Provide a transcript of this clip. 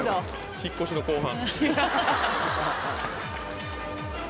引っ越しの後半。